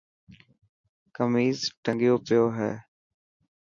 کميس ٽنگيو پيو هي.